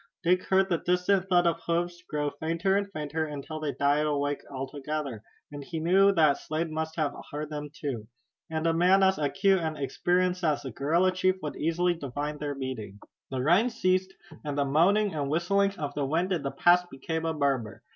Dick heard the distant thud of hoofs growing fainter and fainter until they died away altogether, and he knew that Slade must have heard them too. And a man as acute and experienced as the guerrilla chief would easily divine their meaning. The rain ceased, and the moaning and whistling of the wind in the pass became a murmur.